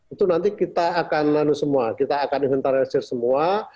itu nanti kita akan lalu semua kita akan inventarisir semua